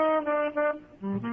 Please stand by. Your program is about to begin. If you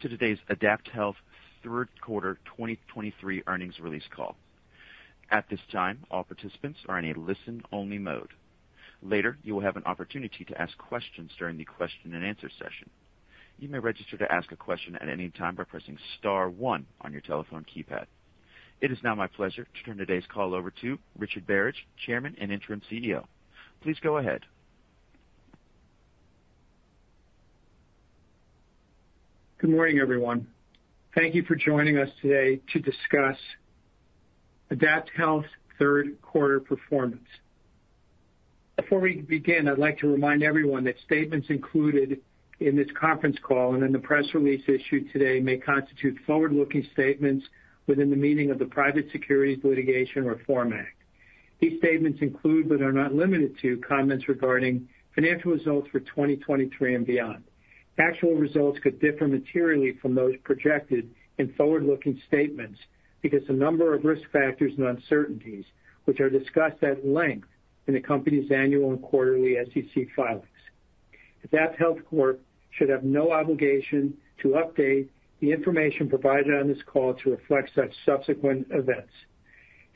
need assistance during today's program, please press star zero. Good day, everyone, and welcome to today's AdaptHealth third quarter 2023 earnings release call. At this time, all participants are in a listen-only mode. Later, you will have an opportunity to ask questions during the question and answer session. You may register to ask a question at any time by pressing star one on your telephone keypad. It is now my pleasure to turn today's call over to Richard Barasch, Chairman and Interim CEO. Please go ahead. Good morning, everyone. Thank you for joining us today to discuss AdaptHealth's third quarter performance. Before we begin, I'd like to remind everyone that statements included in this conference call and in the press release issued today may constitute forward-looking statements within the meaning of the Private Securities Litigation Reform Act. These statements include, but are not limited to, comments regarding financial results for 2023 and beyond. Actual results could differ materially from those projected in forward-looking statements because a number of risk factors and uncertainties, which are discussed at length in the company's annual and quarterly SEC filings. AdaptHealth Corp. should have no obligation to update the information provided on this call to reflect such subsequent events.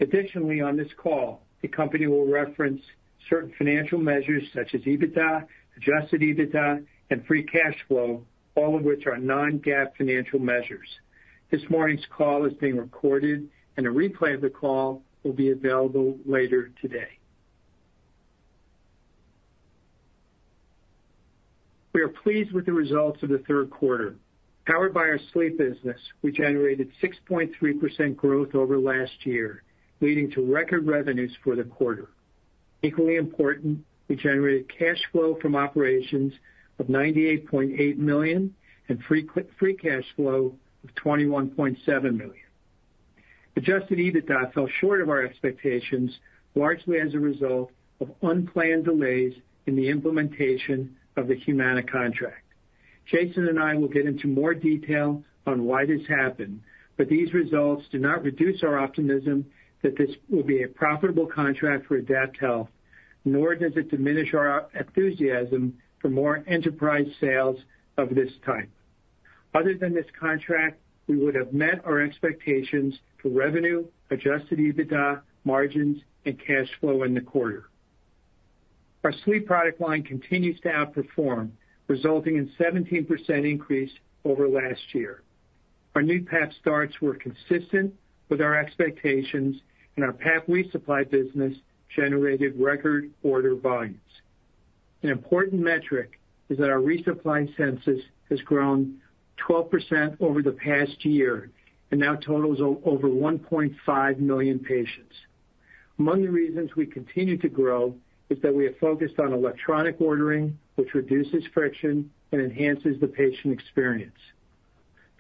Additionally, on this call, the company will reference certain financial measures such as EBITDA, adjusted EBITDA, and free cash flow, all of which are non-GAAP financial measures. This morning's call is being recorded and a replay of the call will be available later today. We are pleased with the results of the third quarter. Powered by our sleep business, we generated 6.3% growth over last year, leading to record revenues for the quarter. Equally important, we generated cash flow from operations of $98.8 million and free cash flow of $21.7 million. Adjusted EBITDA fell short of our expectations, largely as a result of unplanned delays in the implementation of the Humana contract. Jason and I will get into more detail on why this happened, but these results do not reduce our optimism that this will be a profitable contract for AdaptHealth, nor does it diminish our enthusiasm for more enterprise sales of this type. Other than this contract, we would have met our expectations for revenue, adjusted EBITDA, margins, and cash flow in the quarter. Our sleep product line continues to outperform, resulting in 17% increase over last year. Our new PAP starts were consistent with our expectations, and our PAP resupply business generated record order volumes. An important metric is that our resupply census has grown 12% over the past year and now totals over 1.5 million patients. Among the reasons we continue to grow is that we are focused on electronic ordering, which reduces friction and enhances the patient experience.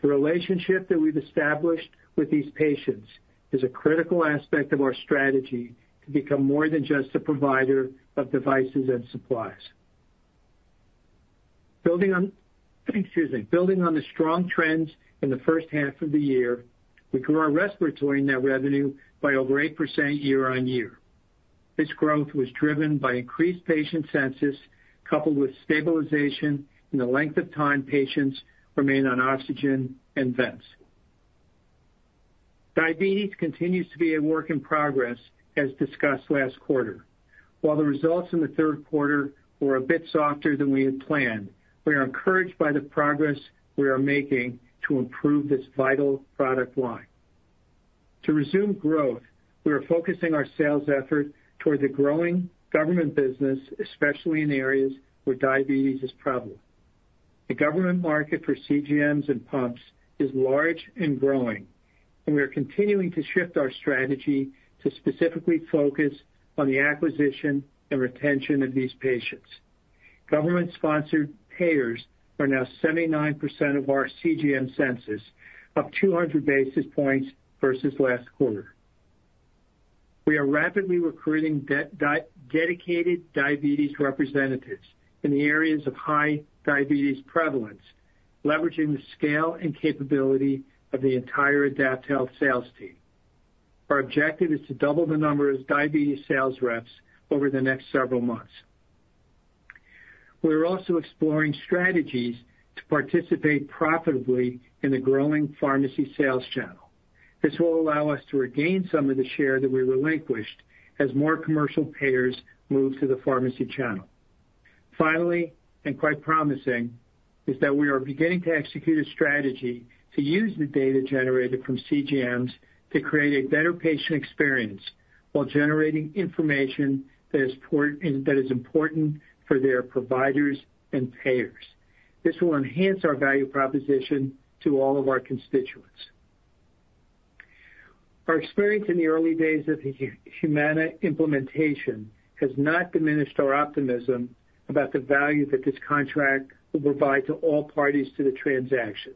The relationship that we've established with these patients is a critical aspect of our strategy to become more than just a provider of devices and supplies.... Building on the strong trends in the first half of the year, we grew our respiratory net revenue by over 8% year-on-year. This growth was driven by increased patient census, coupled with stabilization in the length of time patients remain on oxygen and vents. Diabetes continues to be a work in progress, as discussed last quarter. While the results in the third quarter were a bit softer than we had planned, we are encouraged by the progress we are making to improve this vital product line. To resume growth, we are focusing our sales effort toward the growing government business, especially in areas where diabetes is prevalent. The government market for CGMs and pumps is large and growing, and we are continuing to shift our strategy to specifically focus on the acquisition and retention of these patients. Government-sponsored payers are now 79% of our CGM census, up 200 basis points versus last quarter. We are rapidly recruiting dedicated diabetes representatives in the areas of high diabetes prevalence, leveraging the scale and capability of the entire AdaptHealth sales team. Our objective is to double the number of diabetes sales reps over the next several months. We are also exploring strategies to participate profitably in the growing pharmacy sales channel. This will allow us to regain some of the share that we relinquished as more commercial payers move to the pharmacy channel. Finally, and quite promising, is that we are beginning to execute a strategy to use the data generated from CGMs to create a better patient experience while generating information that is important for their providers and payers. This will enhance our value proposition to all of our constituents. Our experience in the early days of the Humana implementation has not diminished our optimism about the value that this contract will provide to all parties to the transaction.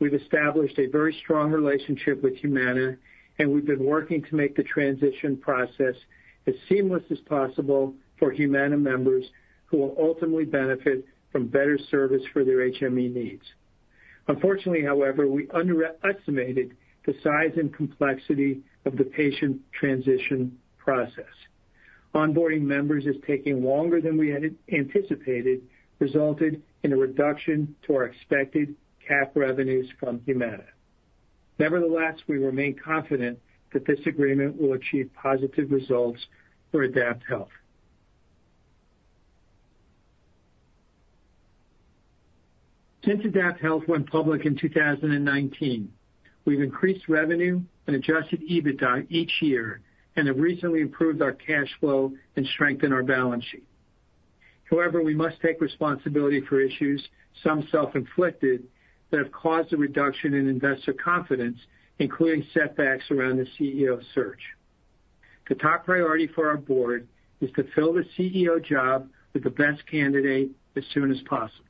We've established a very strong relationship with Humana, and we've been working to make the transition process as seamless as possible for Humana members, who will ultimately benefit from better service for their HME needs. Unfortunately, however, we underestimated the size and complexity of the patient transition process. Onboarding members is taking longer than we had anticipated, resulted in a reduction to our expected cap revenues from Humana. Nevertheless, we remain confident that this agreement will achieve positive results for AdaptHealth. Since AdaptHealth went public in 2019, we've increased revenue and adjusted EBITDA each year and have recently improved our cash flow and strengthened our balance sheet. However, we must take responsibility for issues, some self-inflicted, that have caused a reduction in investor confidence, including setbacks around the CEO search. The top priority for our board is to fill the CEO job with the best candidate as soon as possible.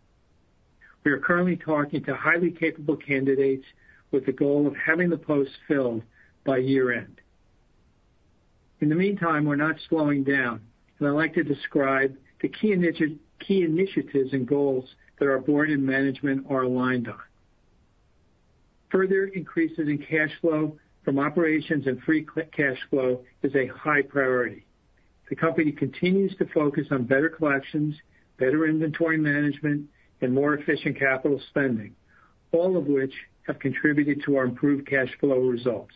We are currently talking to highly capable candidates with the goal of having the post filled by year-end. In the meantime, we're not slowing down, and I'd like to describe the key initiatives and goals that our board and management are aligned on. Further increases in cash flow from operations and free cash flow is a high priority. The company continues to focus on better collections, better inventory management, and more efficient capital spending, all of which have contributed to our improved cash flow results.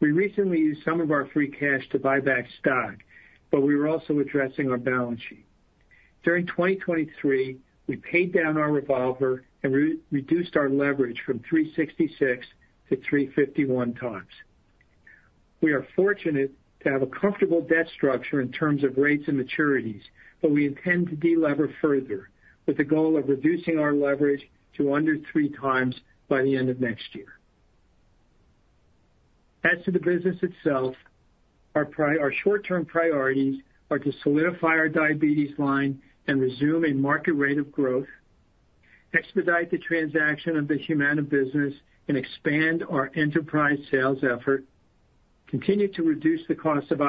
We recently used some of our free cash to buy back stock, but we were also addressing our balance sheet. During 2023, we paid down our revolver and reduced our leverage from 3.66x to 3.51x. We are fortunate to have a comfortable debt structure in terms of rates and maturities, but we intend to delever further, with the goal of reducing our leverage to under 3x by the end of next year. As to the business itself, our our short-term priorities are to solidify our diabetes line and resume a market rate of growth, expedite the transaction of the Humana business and expand our enterprise sales effort, continue to reduce the cost of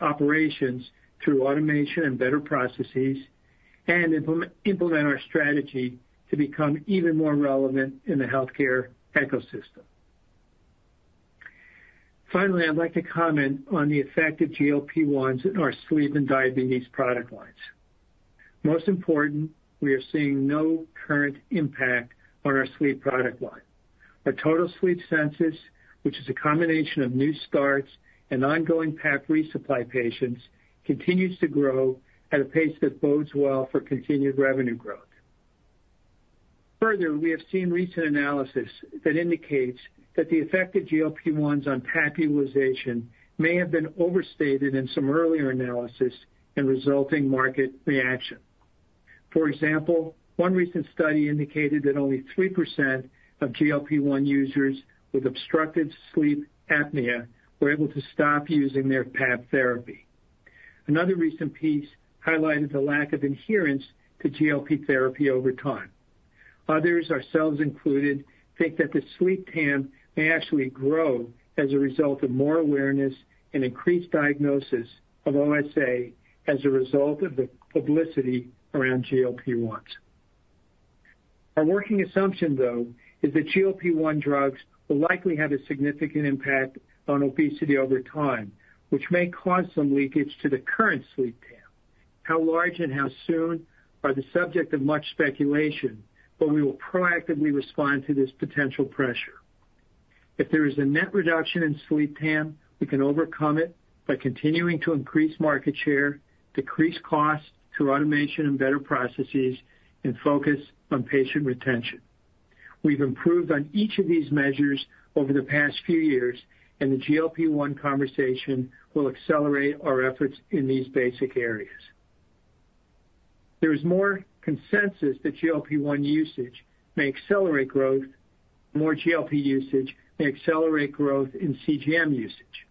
operations through automation and better processes, and implement our strategy to become even more relevant in the healthcare ecosystem. Finally, I'd like to comment on the effect of GLP-1s in our sleep and diabetes product lines. Most important, we are seeing no current impact on our sleep product line. Our total sleep census, which is a combination of new starts and ongoing PAP resupply patients, continues to grow at a pace that bodes well for continued revenue growth. Further, we have seen recent analysis that indicates that the effect of GLP-1s on PAP utilization may have been overstated in some earlier analysis and resulting market reaction. For example, one recent study indicated that only 3% of GLP-1 users with obstructive sleep apnea were able to stop using their PAP therapy. Another recent piece highlighted the lack of adherence to GLP therapy over time.... Others, ourselves included, think that the sleep TAM may actually grow as a result of more awareness and increased diagnosis of OSA as a result of the publicity around GLP-1s. Our working assumption, though, is that GLP-1 drugs will likely have a significant impact on obesity over time, which may cause some leakage to the current sleep TAM. How large and how soon are the subject of much speculation, but we will proactively respond to this potential pressure. If there is a net reduction in sleep TAM, we can overcome it by continuing to increase market share, decrease costs through automation and better processes, and focus on patient retention. We've improved on each of these measures over the past few years, and the GLP-1 conversation will accelerate our efforts in these basic areas. There is more consensus that GLP-1 usage may accelerate growth—more GLP usage may accelerate growth in CGM usage.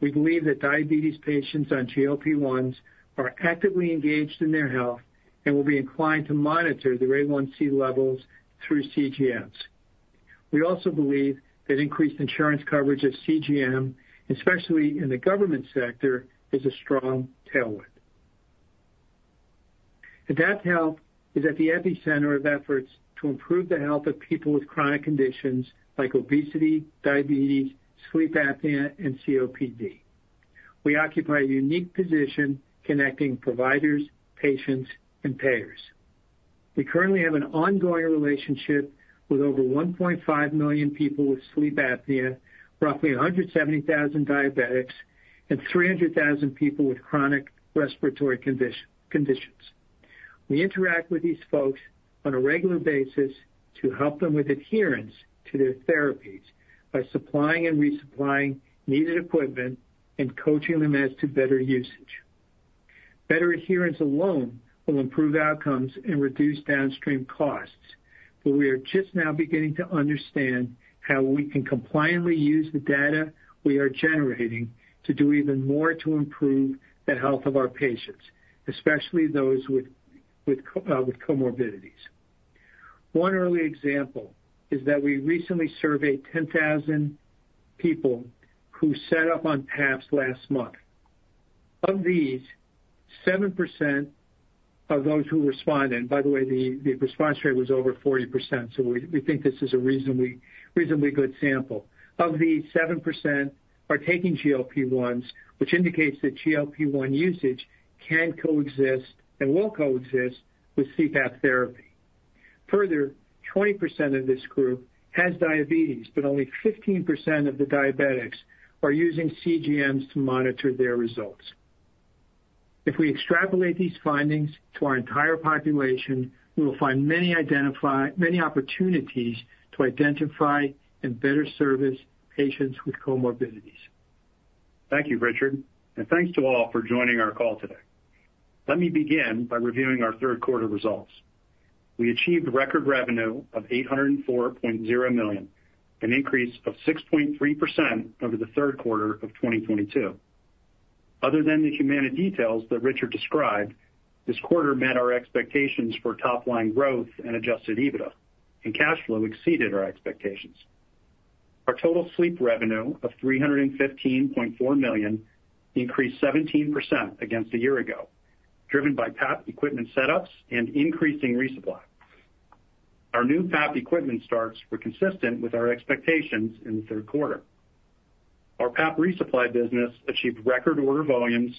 We believe that diabetes patients on GLP-1s are actively engaged in their health and will be inclined to monitor their A1C levels through CGMs. We also believe that increased insurance coverage of CGM, especially in the government sector, is a strong tailwind. AdaptHealth is at the epicenter of efforts to improve the health of people with chronic conditions like obesity, diabetes, sleep apnea, and COPD. We occupy a unique position connecting providers, patients, and payers. We currently have an ongoing relationship with over 1.5 million people with sleep apnea, roughly 170,000 diabetics, and 300,000 people with chronic respiratory conditions. We interact with these folks on a regular basis to help them with adherence to their therapies by supplying and resupplying needed equipment and coaching them as to better usage. Better adherence alone will improve outcomes and reduce downstream costs, but we are just now beginning to understand how we can compliantly use the data we are generating to do even more to improve the health of our patients, especially those with comorbidities. One early example is that we recently surveyed 10,000 people who set up on PAPs last month. Of these, 7% of those who responded, and by the way, the response rate was over 40%, so we think this is a reasonably good sample. Of these, 7% are taking GLP-1s, which indicates that GLP-1 usage can coexist and will coexist with CPAP therapy. Further, 20% of this group has diabetes, but only 15% of the diabetics are using CGMs to monitor their results. If we extrapolate these findings to our entire population, we will find many opportunities to identify and better service patients with comorbidities. Thank you, Richard, and thanks to all for joining our call today. Let me begin by reviewing our third quarter results. We achieved record revenue of $804.0 million, an increase of 6.3% over the third quarter of 2022. Other than the Humana details that Richard described, this quarter met our expectations for top-line growth and Adjusted EBITDA, and cash flow exceeded our expectations. Our total sleep revenue of $315.4 million increased 17% against a year ago, driven by PAP equipment setups and increasing resupply. Our new PAP equipment starts were consistent with our expectations in the third quarter. Our PAP resupply business achieved record order volumes.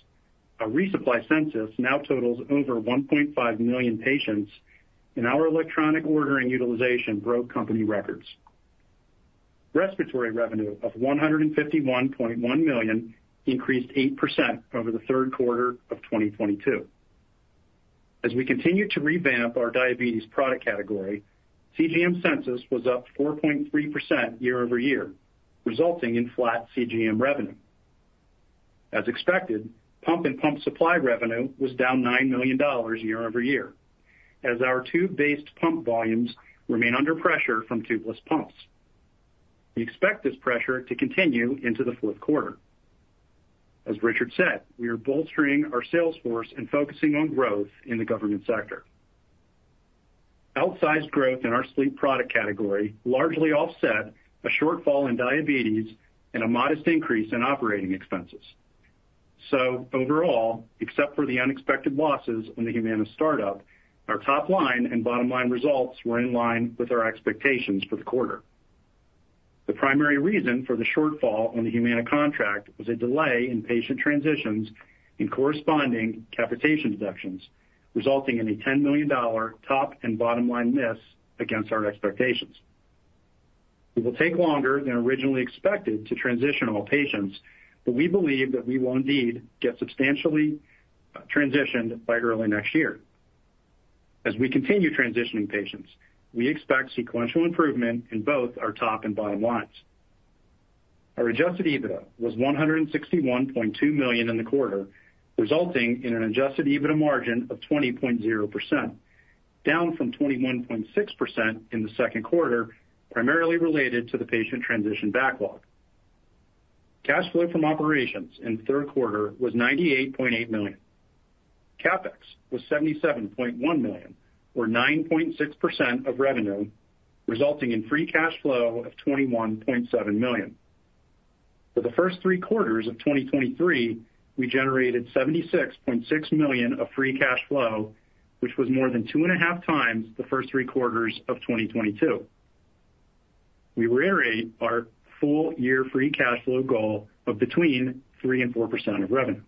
Our resupply census now totals over 1.5 million patients, and our electronic ordering utilization broke company records. Respiratory revenue of $151.1 million increased 8% over the third quarter of 2022. As we continue to revamp our diabetes product category, CGM census was up 4.3% year-over-year, resulting in flat CGM revenue. As expected, pump and pump supply revenue was down $9 million year-over-year, as our tube-based pump volumes remain under pressure from tubeless pumps. We expect this pressure to continue into the fourth quarter. As Richard said, we are bolstering our sales force and focusing on growth in the government sector. Outsized growth in our sleep product category largely offset a shortfall in diabetes and a modest increase in operating expenses. So overall, except for the unexpected losses on the Humana startup, our top line and bottom line results were in line with our expectations for the quarter. The primary reason for the shortfall on the Humana contract was a delay in patient transitions and corresponding capitation deductions, resulting in a $10 million top and bottom line miss against our expectations. It will take longer than originally expected to transition all patients, but we believe that we will indeed get substantially transitioned by early next year. As we continue transitioning patients, we expect sequential improvement in both our top and bottom lines. Our Adjusted EBITDA was $161.2 million in the quarter, resulting in an Adjusted EBITDA margin of 20.0%, down from 21.6% in the second quarter, primarily related to the patient transition backlog. Cash flow from operations in the third quarter was $98.8 million. CapEx was $77.1 million, or 9.6% of revenue, resulting in free cash flow of $21.7 million. For the first three quarters of 2023, we generated $76.6 million of free cash flow, which was more than 2.5 times the first three quarters of 2022. We reiterate our full year free cash flow goal of between 3% and 4% of revenue.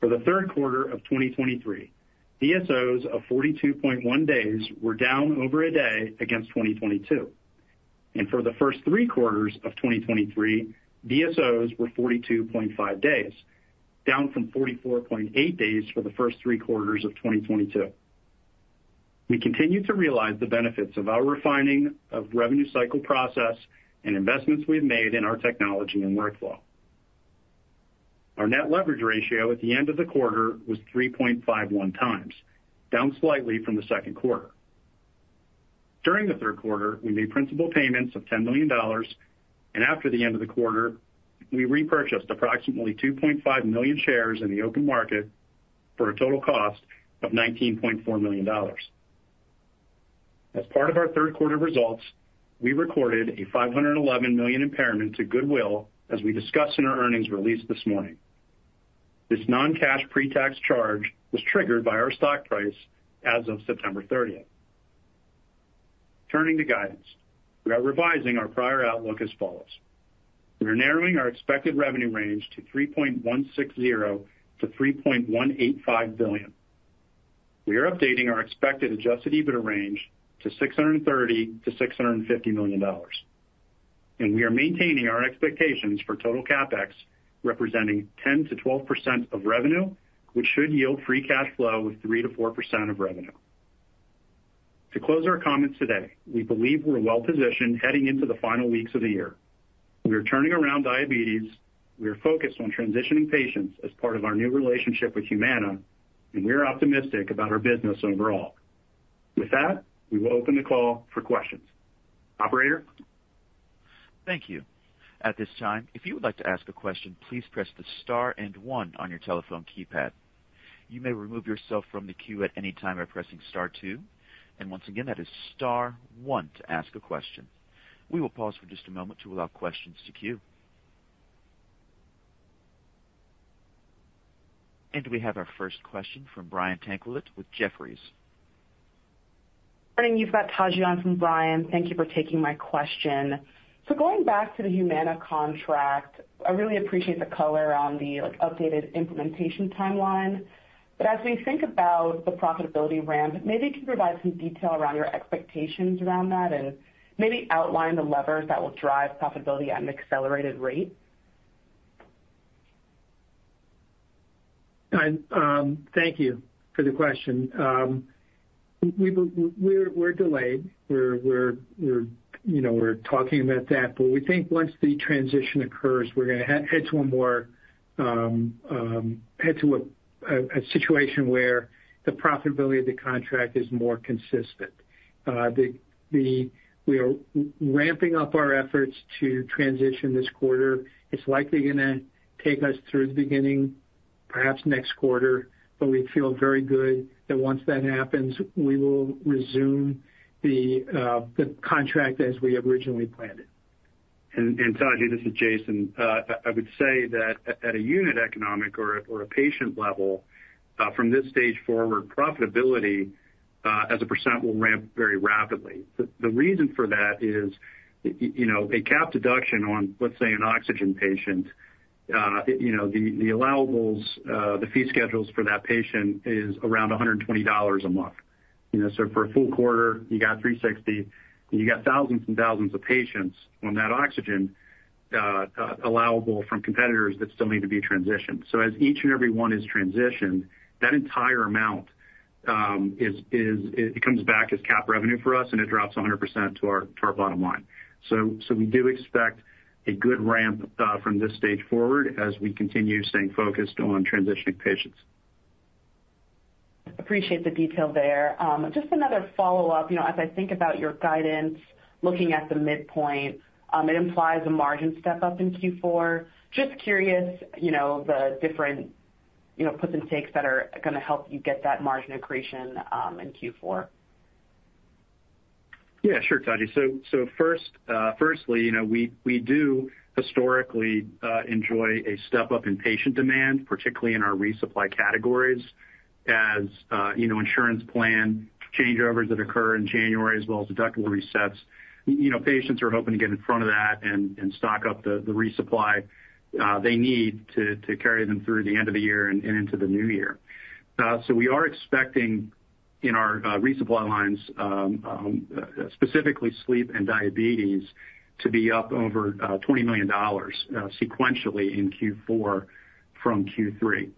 For the third quarter of 2023, DSOs of 42.1 days were down over a day against 2022, and for the first three quarters of 2023, DSOs were 42.5 days, down from 44.8 days for the first three quarters of 2022. We continue to realize the benefits of our refining of revenue cycle process and investments we've made in our technology and workflow. Our net leverage ratio at the end of the quarter was 3.51 times, down slightly from the second quarter. During the third quarter, we made principal payments of $10 million, and after the end of the quarter, we repurchased approximately 2.5 million shares in the open market for a total cost of $19.4 million. As part of our third quarter results, we recorded a $511 million impairment to goodwill, as we discussed in our earnings release this morning. This non-cash pre-tax charge was triggered by our stock price as of September 30. Turning to guidance, we are revising our prior outlook as follows: We are narrowing our expected revenue range to $3.160-$3.185 billion. We are updating our expected Adjusted EBITDA range to $630 million-$650 million, and we are maintaining our expectations for total CapEx, representing 10%-12% of revenue, which should yield free cash flow of 3%-4% of revenue. To close our comments today, we believe we're well positioned heading into the final weeks of the year. We are turning around diabetes. We are focused on transitioning patients as part of our new relationship with Humana, and we are optimistic about our business overall. With that, we will open the call for questions. Operator? Thank you. At this time, if you would like to ask a question, please press the star and one on your telephone keypad. You may remove yourself from the queue at any time by pressing star two. And once again, that is star one to ask a question. We will pause for just a moment to allow questions to queue. We have our first question from Brian Tanquilut with Jefferies. Good morning, you've got Taji on from Brian. Thank you for taking my question. So going back to the Humana contract, I really appreciate the color on the, like, updated implementation timeline. But as we think about the profitability ramp, maybe you can provide some detail around your expectations around that and maybe outline the levers that will drive profitability at an accelerated rate. Thank you for the question. We're delayed. You know, we're talking about that, but we think once the transition occurs, we're gonna head to a situation where the profitability of the contract is more consistent. We are ramping up our efforts to transition this quarter. It's likely gonna take us through the beginning, perhaps next quarter, but we feel very good that once that happens, we will resume the contract as we originally planned it. And Taji, this is Jason. I would say that at a unit economic or at a patient level, from this stage forward, profitability as a percent will ramp very rapidly. The reason for that is, you know, a capped deduction on, let's say, an oxygen patient, you know, the allowables, the fee schedules for that patient is around $120 a month. You know, so for a full quarter, you got $360, and you got thousands and thousands of patients on that oxygen allowable from competitors that still need to be transitioned. So as each and every one is transitioned, that entire amount, it comes back as cap revenue for us, and it drops 100% to our bottom line. So we do expect a good ramp from this stage forward as we continue staying focused on transitioning patients. Appreciate the detail there. Just another follow-up. You know, as I think about your guidance, looking at the midpoint, it implies a margin step up in Q4. Just curious, you know, the different, you know, puts and takes that are gonna help you get that margin accretion in Q4. Yeah, sure, Taji. So first, firstly, you know, we do historically enjoy a step up in patient demand, particularly in our resupply categories, as you know, insurance plan changeovers that occur in January as well as deductible resets. You know, patients are hoping to get in front of that and stock up the resupply they need to carry them through the end of the year and into the new year. So we are expecting in our resupply lines, specifically sleep and diabetes, to be up over $20 million sequentially in Q4 from Q3.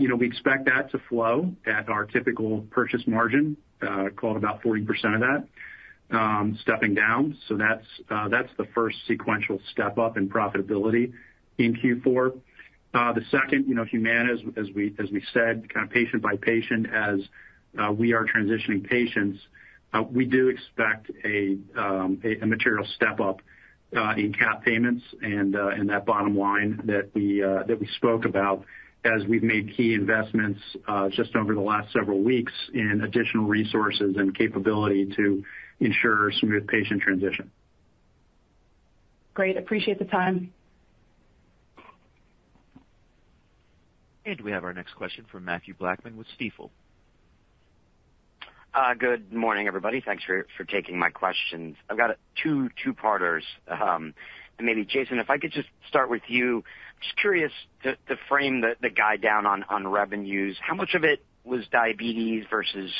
You know, we expect that to flow at our typical purchase margin, call it about 40% of that. Stepping down. So that's the first sequential step up in profitability in Q4. The second, you know, Humana, as we said, kind of patient by patient, as we are transitioning patients, we do expect a material step up in cap payments and that bottom line that we spoke about as we've made key investments just over the last several weeks in additional resources and capability to ensure smooth patient transition. Great. Appreciate the time. We have our next question from Matthew Blackman with Stifel. Good morning, everybody. Thanks for taking my questions. I've got two two-parters. And maybe, Jason, if I could just start with you. Just curious, the frame, the guide down on revenues, how much of it was diabetes versus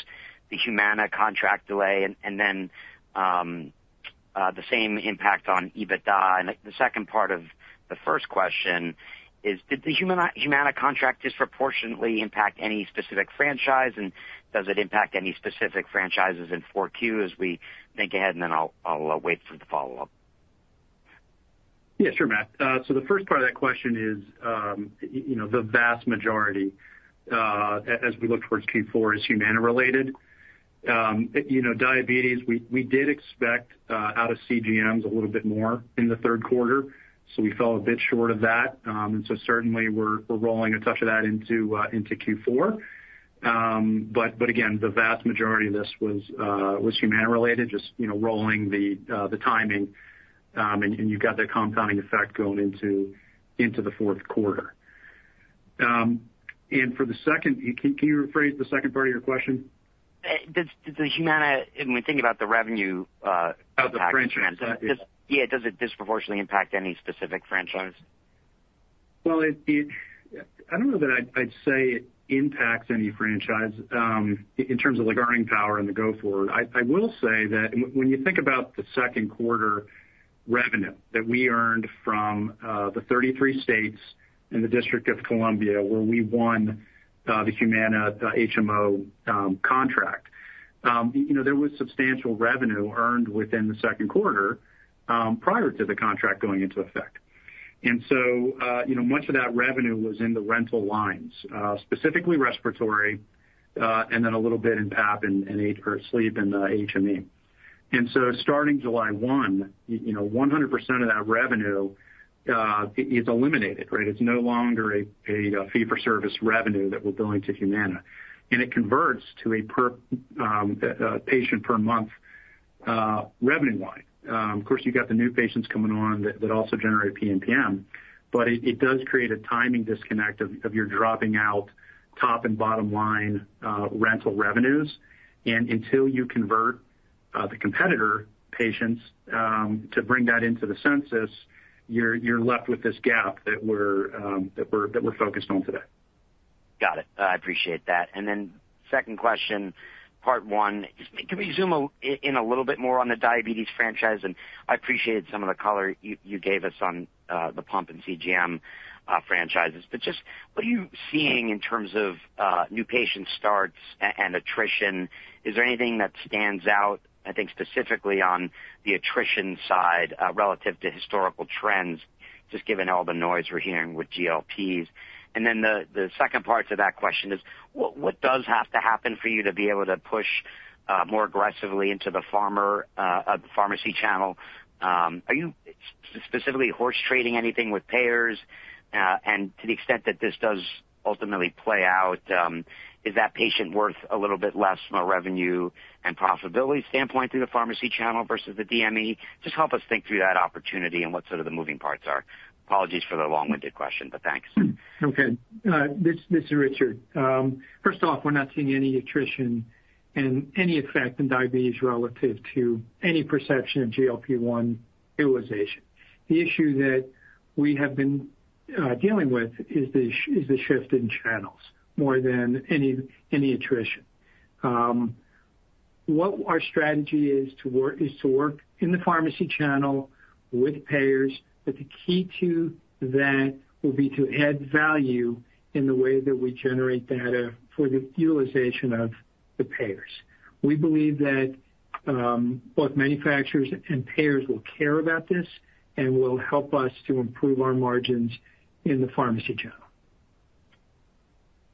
the Humana contract delay? And then, the same impact on EBITDA. And the second part of the first question is, did the Humana contract disproportionately impact any specific franchise, and does it impact any specific franchises in 4Q as we think ahead? And then I'll wait for the follow-up. Yeah, sure, Matt. So the first part of that question is, you know, the vast majority, as we look towards Q4, is Humana related. You know, diabetes, we did expect out of CGMs a little bit more in the third quarter, so we fell a bit short of that. And so certainly we're rolling a touch of that into Q4. But again, the vast majority of this was Humana related, just, you know, rolling the timing, and you've got that compounding effect going into the fourth quarter. And for the second, can you rephrase the second part of your question? Does the Humana... When we think about the revenue impact- Of the franchise. Yeah. Does it disproportionately impact any specific franchise? Well, I don't know that I'd say it impacts any franchise in terms of the earning power and the go forward. I will say that when you think about the second quarter revenue that we earned from the 33 states and the District of Columbia, where we won the Humana HMO contract, you know, there was substantial revenue earned within the second quarter prior to the contract going into effect. And so, you know, much of that revenue was in the rental lines, specifically respiratory, and then a little bit in PAP and sleep and HME. And so starting July 1, you know, 100% of that revenue is eliminated, right? It's no longer a fee for service revenue that we're billing to Humana, and it converts to a per patient per month revenue line. Of course, you got the new patients coming on that that also generate PMPM, but it does create a timing disconnect of your dropping out top and bottom line rental revenues. And until you convert the competitor patients to bring that into the census, you're left with this gap that we're focused on today. Got it. I appreciate that. Then second question, part one, can we zoom in a little bit more on the diabetes franchise? I appreciated some of the color you gave us on the pump and CGM franchises, but just what are you seeing in terms of new patient starts and attrition? Is there anything that stands out, I think, specifically on the attrition side relative to historical trends, just given all the noise we're hearing with GLPs? Then the second part to that question is, what does have to happen for you to be able to push more aggressively into the pharmacy channel? Are you specifically horse trading anything with payers? And to the extent that this does ultimately play out, is that patient worth a little bit less from a revenue and profitability standpoint through the pharmacy channel versus the DME? Just help us think through that opportunity and what sort of the moving parts are. Apologies for the long-winded question, but thanks. Okay, this is Richard. First off, we're not seeing any attrition and any effect in diabetes relative to any perception of GLP-1 utilization. The issue that we have been dealing with is the shift in channels more than any attrition. What our strategy is to work in the pharmacy channel with payers, but the key to that will be to add value in the way that we generate data for the utilization of the payers. We believe that both manufacturers and payers will care about this and will help us to improve our margins in the pharmacy channel.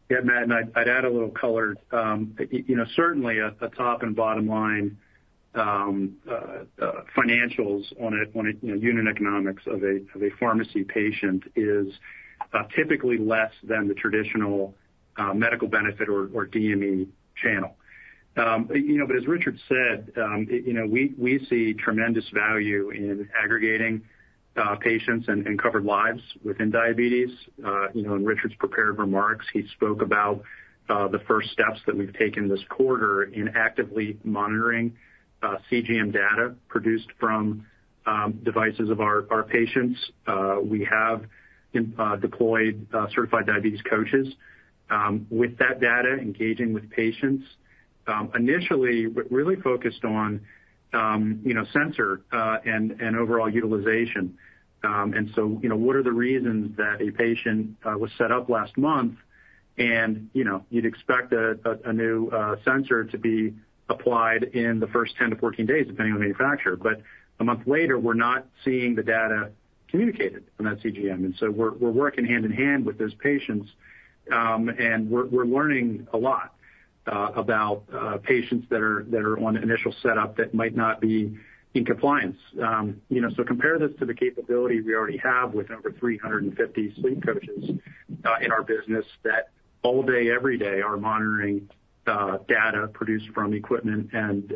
Yeah, Matt, I'd add a little color. You know, certainly a top and bottom line financials on a you know, unit economics of a pharmacy patient is typically less than the traditional medical benefit or DME channel. You know, but as Richard said, you know, we see tremendous value in aggregating patients and covered lives within diabetes. You know, in Richard's prepared remarks, he spoke about the first steps that we've taken this quarter in actively monitoring CGM data produced from devices of our patients. We have deployed certified diabetes coaches with that data, engaging with patients. Initially, we really focused on you know, sensor and overall utilization. And so, you know, what are the reasons that a patient was set up last month and, you know, you'd expect a new sensor to be applied in the first 10 to 14 days, depending on the manufacturer. But a month later, we're not seeing the data communicated from that CGM. And so we're working hand in hand with those patients, and we're learning a lot about patients that are on initial setup that might not be in compliance. You know, so compare this to the capability we already have with over 350 sleep coaches in our business, that all day, every day, are monitoring data produced from equipment and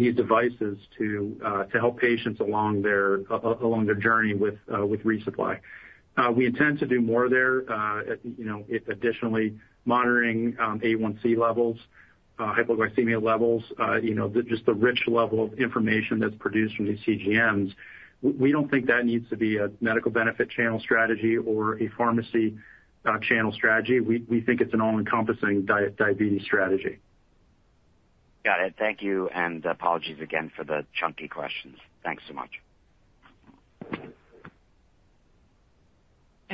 these devices to help patients along their journey with resupply. We intend to do more there, you know, if additionally monitoring A1C levels, hypoglycemia levels, you know, just the rich level of information that's produced from these CGMs. We don't think that needs to be a medical benefit channel strategy or a pharmacy channel strategy. We think it's an all-encompassing diabetes strategy. Got it. Thank you, and apologies again for the chunky questions. Thanks so much.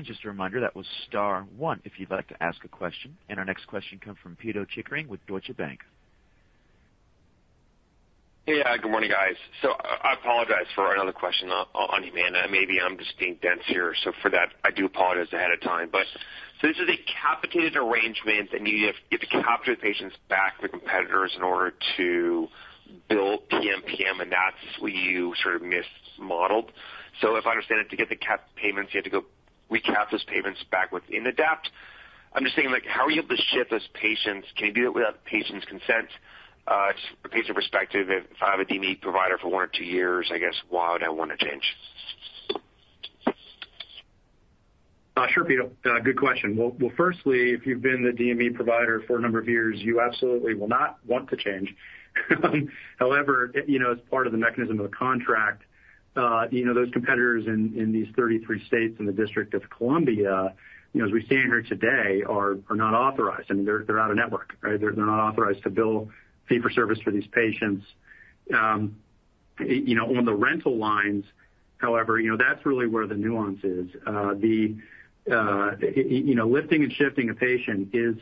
Just a reminder, that was star one if you'd like to ask a question, and our next question comes from Peter Chickering with Deutsche Bank. Hey, good morning, guys. So I apologize for another question on you, man. Maybe I'm just being dense here. So for that, I do apologize ahead of time. But so this is a capitated arrangement, and you have to get the capitated patients back from the competitors in order to bill PMPM, and that's where you sort of mismodeled. So if I understand it, to get the capped payments, you have to go recap those payments back within Adapt. I'm just thinking, like, how are you able to ship those patients? Can you do it without the patient's consent? From a patient perspective, if I have a DME provider for one or two years, I guess, why would I want to change? Sure, Peter. Good question. Well, firstly, if you've been the DME provider for a number of years, you absolutely will not want to change. However, you know, as part of the mechanism of the contract, you know, those competitors in these 33 states and the District of Columbia, you know, as we stand here today, are not authorized. I mean, they're out of network, right? They're not authorized to bill fee for service for these patients. You know, on the rental lines, however, you know, that's really where the nuance is. You know, lifting and shifting a patient is...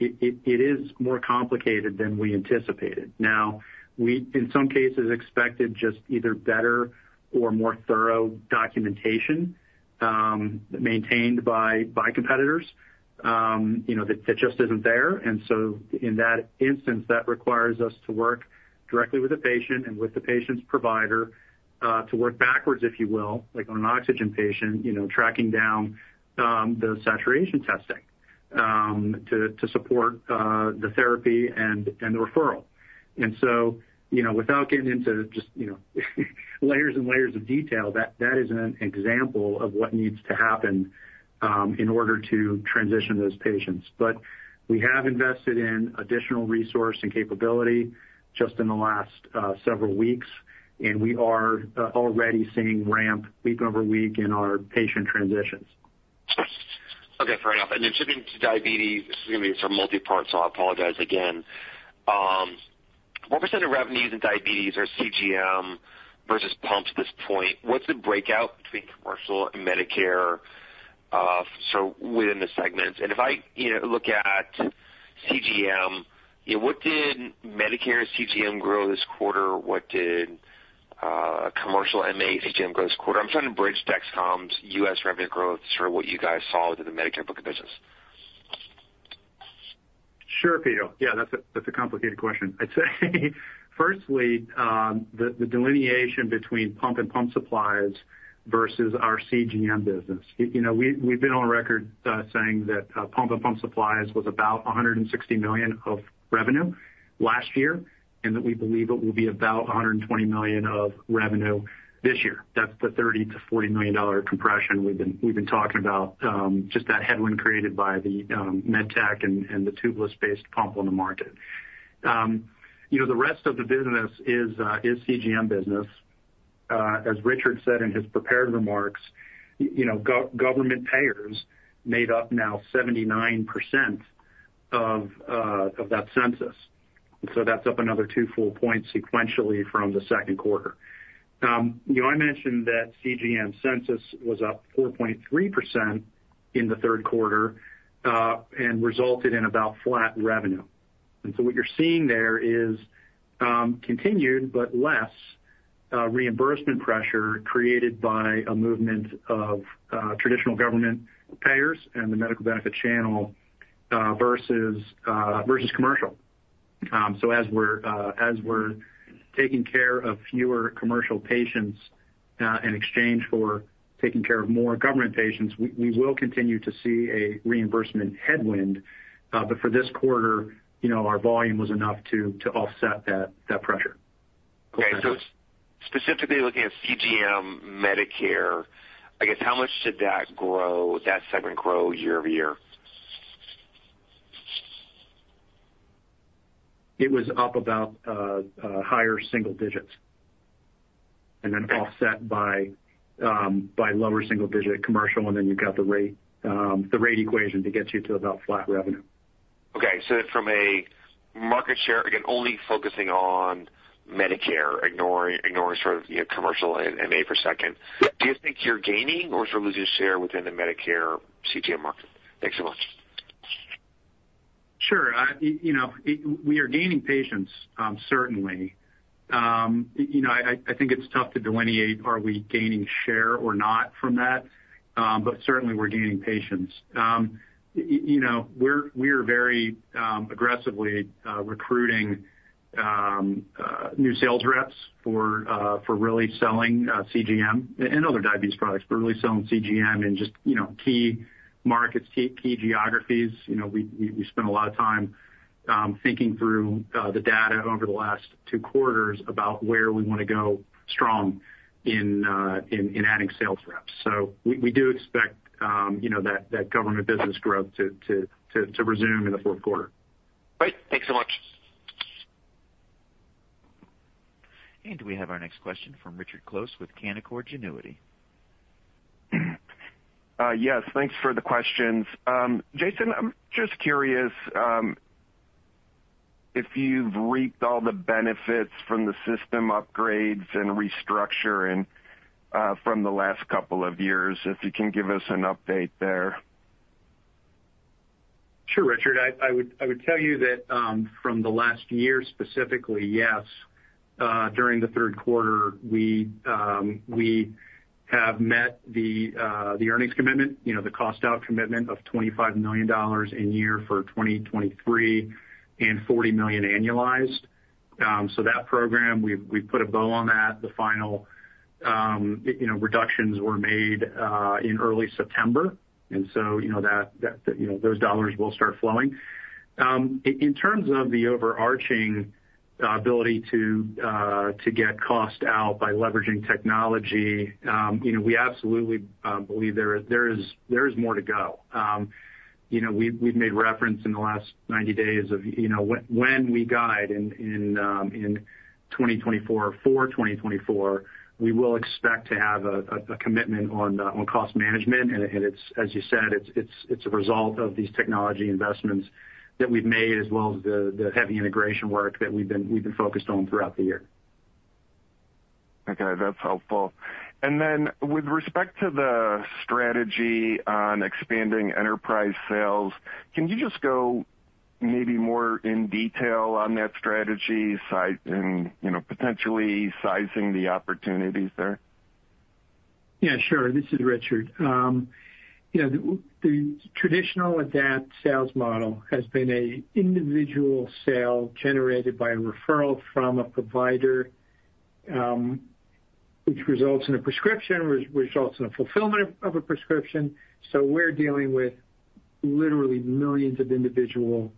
It is more complicated than we anticipated. Now, we, in some cases, expected just either better or more thorough documentation maintained by competitors, you know, that just isn't there. In that instance, that requires us to work directly with the patient and with the patient's provider, to work backwards, if you will, like on an oxygen patient, you know, tracking down the saturation testing to support the therapy and the referral. And so, you know, without getting into just, you know, layers and layers of detail, that is an example of what needs to happen in order to transition those patients. But we have invested in additional resource and capability just in the last several weeks, and we are already seeing ramp week over week in our patient transitions. Okay, fair enough. And then shifting to diabetes, this is going to be some multi-part, so I apologize again. What % of revenues in diabetes are CGM versus pumps at this point? What's the breakout between commercial and Medicare, so within the segments? And if I, you know, look at CGM, you know, what did Medicare CGM grow this quarter? What did commercial MA CGM grow this quarter? I'm trying to bridge Dexcom's U.S. revenue growth to sort of what you guys saw with the Medicare book of business. Sure, Peter. Yeah, that's a, that's a complicated question. I'd say, firstly, the, the delineation between pump and pump supplies versus our CGM business. You, you know, we've, we've been on record, saying that, pump and pump supplies was about $160 million of revenue last year, and that we believe it will be about $120 million of revenue this year. That's the $30 million-$40 million compression we've been, we've been talking about, just that headwind created by the, Medtronic and the tubeless-based pump on the market. You know, the rest of the business is, is CGM business. As Richard said in his prepared remarks, y-you know, government payers made up now 79% of, of that census, and so that's up another two full points sequentially from the second quarter. You know, I mentioned that CGM census was up 4.3% in the third quarter, and resulted in about flat revenue. And so what you're seeing there is, continued, but less, reimbursement pressure created by a movement of, traditional government payers and the medical benefit channel, versus, versus commercial. So as we're, as we're taking care of fewer commercial patients, in exchange for taking care of more government patients, we, we will continue to see a reimbursement headwind. But for this quarter, you know, our volume was enough to, to offset that, that pressure. Okay. So specifically looking at CGM Medicare, I guess, how much did that segment grow year-over-year? It was up about higher single digits, and then offset by lower single digit commercial, and then you've got the rate equation to get you to about flat revenue. Okay. So from a market share, again, only focusing on Medicare, ignoring, ignoring sort of, you know, commercial and MA for a second, do you think you're gaining or sort of losing share within the Medicare CGM market? Thanks so much.... Sure. You know, we are gaining patients, certainly. You know, I think it's tough to delineate are we gaining share or not from that, but certainly we're gaining patients. You know, we are very aggressively recruiting new sales reps for really selling CGM and other diabetes products, but really selling CGM in just, you know, key markets, key geographies. You know, we spent a lot of time thinking through the data over the last two quarters about where we want to go strong in adding sales reps. So we do expect, you know, that government business growth to resume in the fourth quarter. Great. Thanks so much. We have our next question from Richard Close with Canaccord Genuity. Yes, thanks for the questions. Jason, I'm just curious if you've reaped all the benefits from the system upgrades and restructuring from the last couple of years, if you can give us an update there. Sure, Richard. I would tell you that from the last year, specifically, yes, during the third quarter, we have met the earnings commitment, you know, the cost out commitment of $25 million in the year for 2023, and $40 million annualized. So that program, we've put a bow on that. The final, you know, reductions were made in early September. And so, you know, that those dollars will start flowing. In terms of the overarching ability to get cost out by leveraging technology, you know, we absolutely believe there is more to go. You know, we've made reference in the last 90 days of, you know, when we guide in 2024, for 2024, we will expect to have a commitment on cost management. And it's, as you said, it's a result of these technology investments that we've made, as well as the heavy integration work that we've been focused on throughout the year. Okay, that's helpful. And then, with respect to the strategy on expanding enterprise sales, can you just go maybe more in detail on that strategy, size and, you know, potentially sizing the opportunities there? Yeah, sure. This is Richard. You know, the traditional Adapt sales model has been a individual sale generated by a referral from a provider, which results in a prescription, which results in a fulfillment of a prescription. So we're dealing with literally millions of individual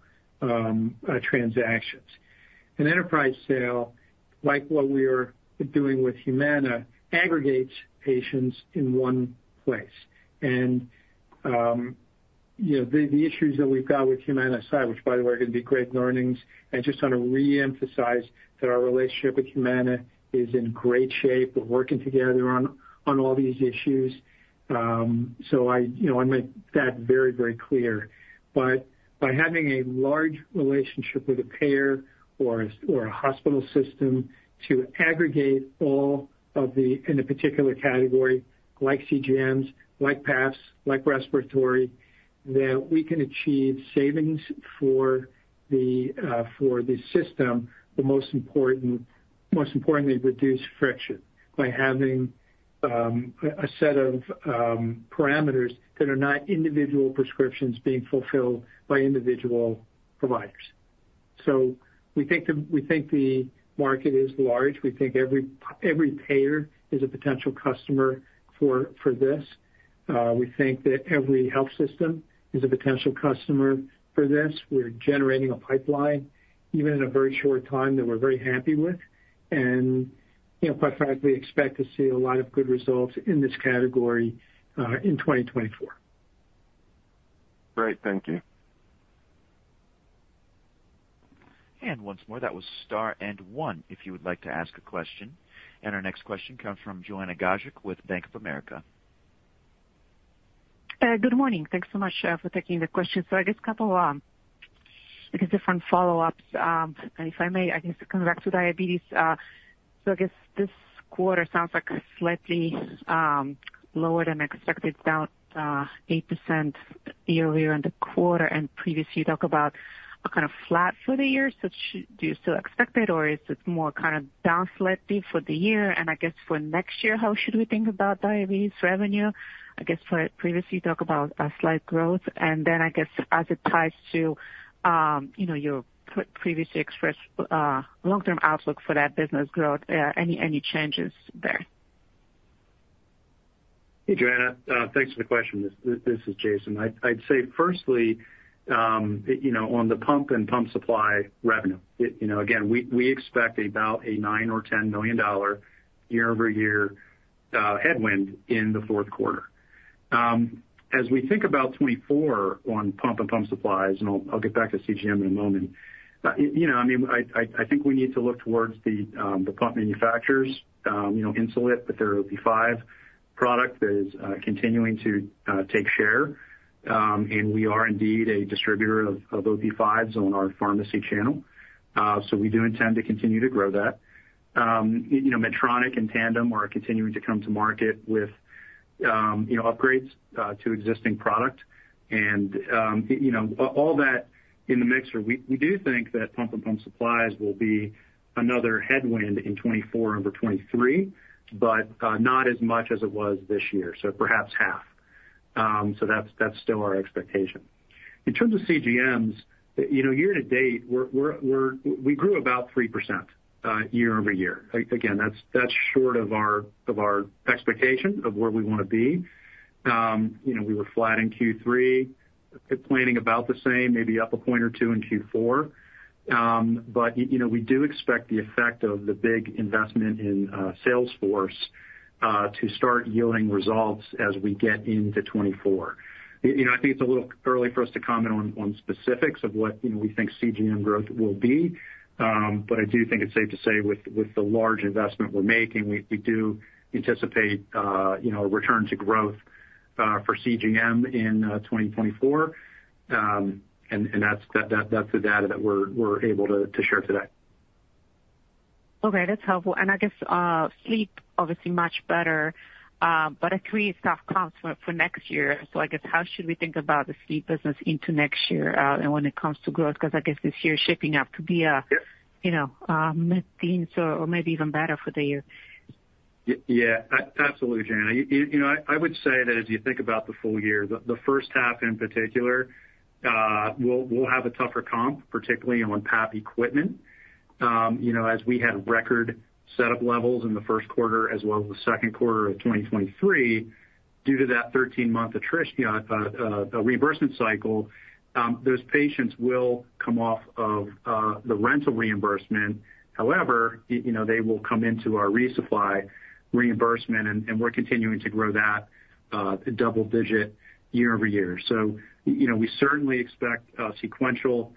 transactions. An enterprise sale, like what we are doing with Humana, aggregates patients in one place. And, you know, the issues that we've got with Humana aside, which, by the way, are going to be great learnings. I just want to reemphasize that our relationship with Humana is in great shape. We're working together on all these issues. So I, you know, I make that very, very clear. But by having a large relationship with a payer or a hospital system to aggregate all of the... In a particular category, like CGMs, like PAPs, like respiratory, then we can achieve savings for the system. But most important, most importantly, reduce friction by having a set of parameters that are not individual prescriptions being fulfilled by individual providers. So we think the market is large. We think every payer is a potential customer for this. We think that every health system is a potential customer for this. We're generating a pipeline, even in a very short time, that we're very happy with. And, you know, quite frankly, expect to see a lot of good results in this category in 2024. Great. Thank you. Once more, that was star and one, if you would like to ask a question. Our next question comes from Joanna Gajuk with Bank of America. Good morning. Thanks so much for taking the question. So I guess a couple different follow-ups. And if I may, I guess, to come back to diabetes. So I guess this quarter sounds like slightly lower than expected, down 8% year-over-year in the quarter. And previously, you talked about kind of flat for the year. So do you still expect it, or is it more kind of down slightly for the year? And I guess for next year, how should we think about diabetes revenue? I guess previously, you talked about a slight growth, and then I guess as it ties to, you know, your previously expressed long-term outlook for that business growth, any changes there? Hey, Joanna, thanks for the question. This, this is Jason. I'd, I'd say, firstly, you know, on the pump and pump supply revenue, it, you know, again, we, we expect about a $9-$10 million year-over-year headwind in the fourth quarter. As we think about 2024 on pump and pump supplies, and I'll, I'll get back to CGM in a moment. You know, I mean, I, I, I think we need to look towards the pump manufacturers, you know, Insulet, with their Omnipod 5 product that is continuing to take share. And we are indeed a distributor of Omnipod 5s on our pharmacy channel. So we do intend to continue to grow that. You know, Medtronic and Tandem are continuing to come to market with, you know, upgrades to existing product and, you know, all that in the mixer. We do think that pump and pump supplies will be another headwind in 2024 over 2023, but not as much as it was this year, so perhaps half. So that's still our expectation. In terms of CGMs, you know, year-to-date, we grew about 3% year-over-year. Again, that's short of our expectation of where we wanna be. You know, we were flat in Q3, planning about the same, maybe up a point or two in Q4. But you know, we do expect the effect of the big investment in sales force to start yielding results as we get into 2024. You know, I think it's a little early for us to comment on specifics of what, you know, we think CGM growth will be, but I do think it's safe to say with the large investment we're making, we do anticipate, you know, a return to growth for CGM in 2024. And that's the data that we're able to share today. Okay, that's helpful. And I guess, sleep, obviously much better, but a tough comps for next year. So I guess how should we think about the sleep business into next year, and when it comes to growth? Because I guess this year is shaping up to be a- Yes. You know, things or maybe even better for the year. Yeah, absolutely, Janet. You know, I would say that as you think about the full year, the first half in particular, we'll have a tougher comp, particularly on PAP equipment. You know, as we had record set up levels in the first quarter as well as the second quarter of 2023, due to that 13-month attrition reimbursement cycle, those patients will come off of the rental reimbursement. However, you know, they will come into our resupply reimbursement, and we're continuing to grow that double-digit year-over-year. So, you know, we certainly expect sequential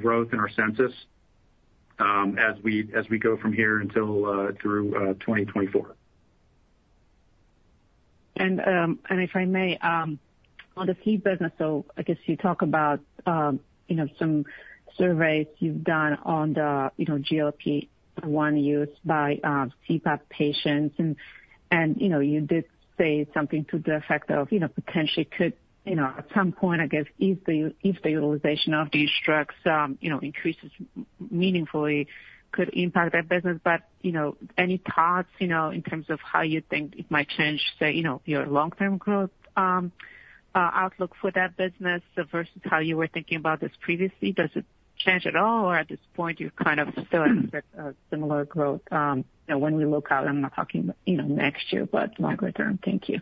growth in our census as we go from here until through 2024. If I may, on the sleep business, so I guess you talk about, you know, some surveys you've done on the, you know, GLP-1 use by CPAP patients. You know, you did say something to the effect of, you know, potentially could, you know, at some point, I guess, if the, if the utilization of these drugs, you know, increases meaningfully, could impact that business. But, you know, any thoughts, you know, in terms of how you think it might change the, you know, your long-term growth outlook for that business versus how you were thinking about this previously? Does it change at all, or at this point, you kind of still expect a similar growth, you know, when we look out, I'm not talking, you know, next year, but longer term? Thank you.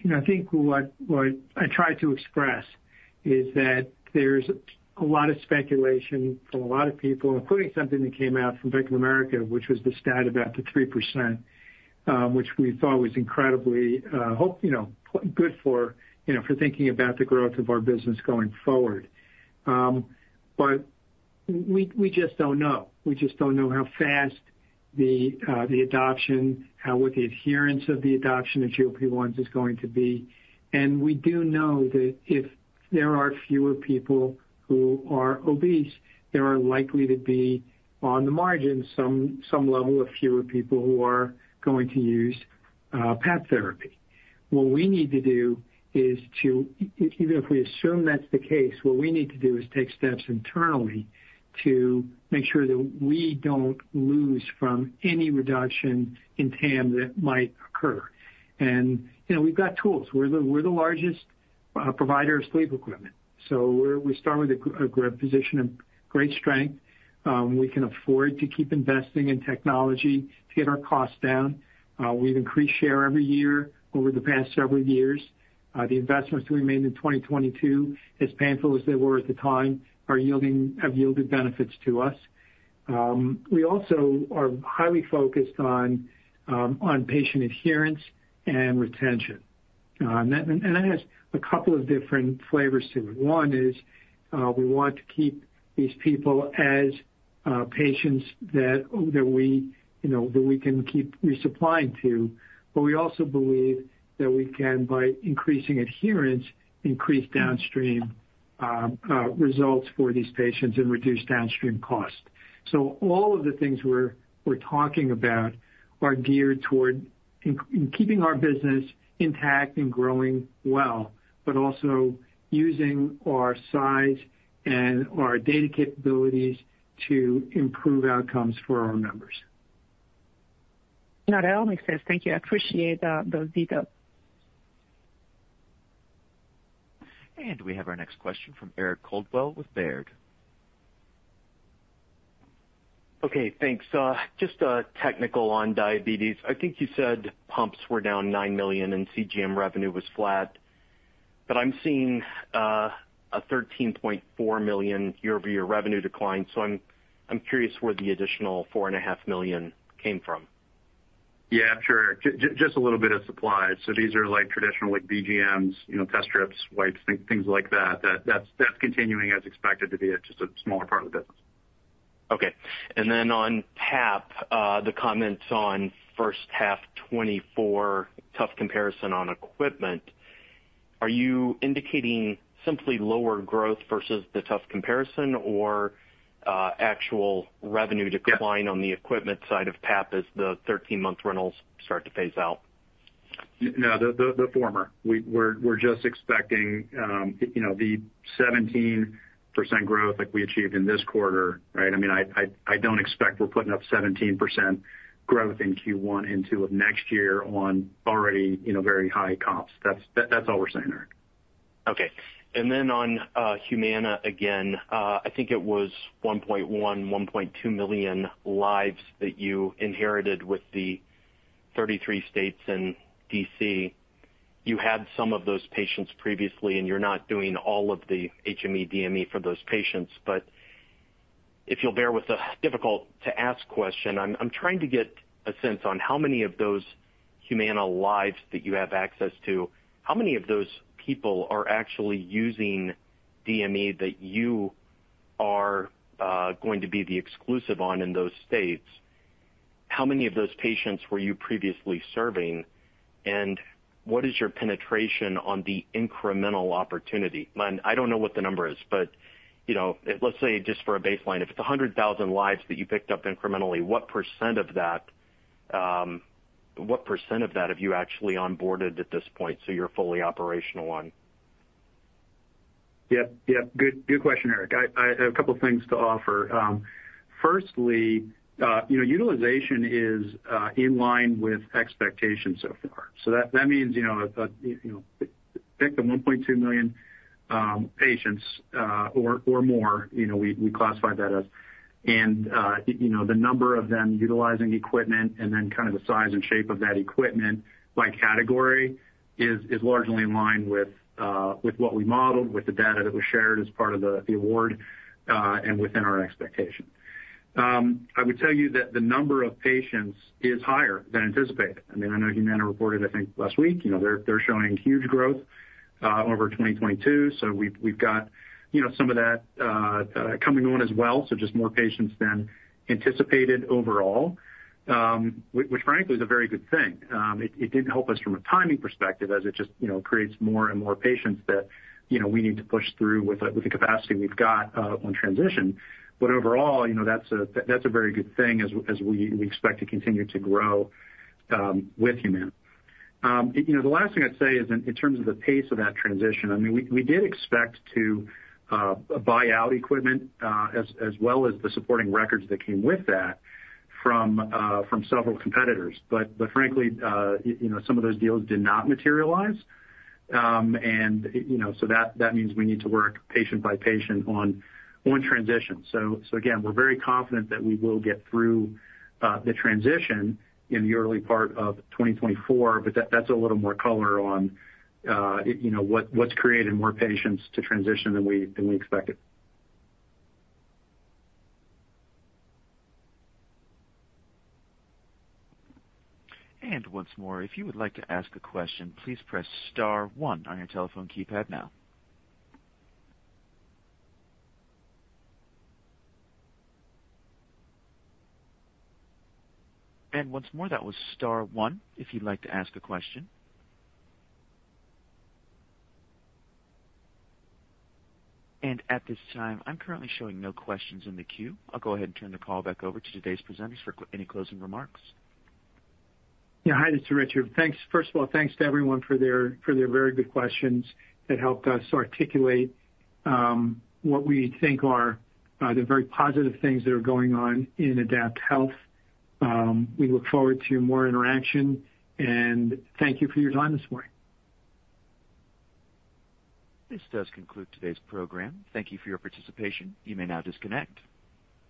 You know, I think what, what I tried to express is that there's a lot of speculation from a lot of people, including something that came out from Bank of America, which was the stat about the 3%, which we thought was incredibly, hope, you know, good for, you know, for thinking about the growth of our business going forward. But we, we just don't know. We just don't know how fast the, the adoption, how with the adherence of the adoption of GLP-1s is going to be. And we do know that if there are fewer people who are obese, there are likely to be, on the margin, some, some level of fewer people who are going to use, PAP therapy. What we need to do is to... Even if we assume that's the case, what we need to do is take steps internally to make sure that we don't lose from any reduction in TAM that might occur. You know, we've got tools. We're the largest provider of sleep equipment, so we start with a great position of great strength. We can afford to keep investing in technology to get our costs down. We've increased share every year over the past several years. The investments we made in 2022, as painful as they were at the time, have yielded benefits to us. We also are highly focused on patient adherence and retention, and that has a couple of different flavors to it. One is, we want to keep these people as, patients that, that we, you know, that we can keep resupplying to, but we also believe that we can, by increasing adherence, increase downstream, results for these patients and reduce downstream cost. So all of the things we're talking about are geared toward keeping our business intact and growing well, but also using our size and our data capabilities to improve outcomes for our members. No, that all makes sense. Thank you. I appreciate those details. We have our next question from Eric Coldwell with Baird. Okay, thanks. Just a technical on diabetes. I think you said pumps were down $9 million and CGM revenue was flat, but I'm seeing a $13.4 million year-over-year revenue decline. So I'm curious where the additional $4.5 million came from. Yeah, sure. Just a little bit of supply. So these are like traditional, like BGMs, you know, test strips, wipes, things like that, that's continuing as expected to be just a smaller part of the business. Okay. And then on PAP, the comments on first half 2024, tough comparison on equipment, are you indicating simply lower growth versus the tough comparison or, actual revenue decline- Yeah... on the equipment side of PAP as the 13-month rentals start to phase out? No, the former. We're just expecting, you know, the 17% growth like we achieved in this quarter, right? I mean, I don't expect we're putting up 17% growth in Q1 into of next year on already, you know, very high comps. That's all we're saying, Eric.... Okay, and then on, Humana again, I think it was 1.1, 1.2 million lives that you inherited with the 33 states and D.C. You had some of those patients previously, and you're not doing all of the HME/DME for those patients. But if you'll bear with a difficult to ask question, I'm trying to get a sense on how many of those Humana lives that you have access to, how many of those people are actually using DME that you are going to be the exclusive on in those states? How many of those patients were you previously serving, and what is your penetration on the incremental opportunity? I don't know what the number is, but, you know, let's say just for a baseline, if it's 100,000 lives that you picked up incrementally, what % of that, what % of that have you actually onboarded at this point, so you're fully operational on? Yep, yep. Good, good question, Eric. I have a couple things to offer. Firstly, you know, utilization is in line with expectations so far. So that means, you know, if you know, pick the 1.2 million patients or more, you know, we classify that as, and you know, the number of them utilizing equipment and then kind of the size and shape of that equipment by category is largely in line with what we modeled, with the data that was shared as part of the award, and within our expectation. I would tell you that the number of patients is higher than anticipated. I mean, I know Humana reported, I think, last week, you know, they're showing huge growth over 2022. So we've got, you know, some of that coming on as well. So just more patients than anticipated overall, which frankly is a very good thing. It didn't help us from a timing perspective as it just, you know, creates more and more patients that, you know, we need to push through with the capacity we've got on transition. But overall, you know, that's a very good thing as we expect to continue to grow with Humana. You know, the last thing I'd say is in terms of the pace of that transition. I mean, we did expect to buy out equipment as well as the supporting records that came with that from several competitors. But frankly, you know, some of those deals did not materialize. You know, so that means we need to work patient by patient on transition. So again, we're very confident that we will get through the transition in the early part of 2024, but that's a little more color on, you know, what's creating more patients to transition than we expected. Once more, if you would like to ask a question, please press star one on your telephone keypad now. Once more, that was star one, if you'd like to ask a question. At this time, I'm currently showing no questions in the queue. I'll go ahead and turn the call back over to today's presenters for any closing remarks. Yeah, hi, this is Richard. Thanks. First of all, thanks to everyone for their very good questions that helped us articulate what we think are the very positive things that are going on in AdaptHealth. We look forward to more interaction, and thank you for your time this morning. This does conclude today's program. Thank you for your participation. You may now disconnect.